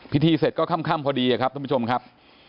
เสร็จก็ค่ำพอดีครับท่านผู้ชมครับ